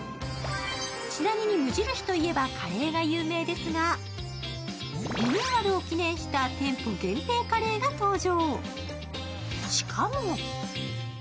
ちなみに無印といえばカレーが有名ですがリニューアルを記念した店舗限定カレーが登場